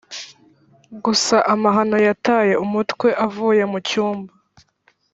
gusa amahano yataye umutwe avuye mucyumba